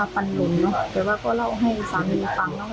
ฝันว่าอย่างไรคะ